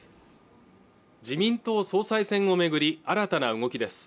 自民党総裁選をめぐり新たな動きです